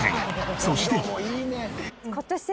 そして。